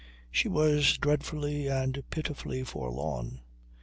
She was dreadfully and pitifully forlorn.